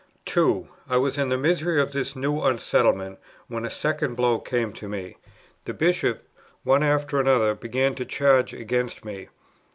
2. I was in the misery of this new unsettlement, when a second blow came upon me. The Bishops one after another began to charge against me.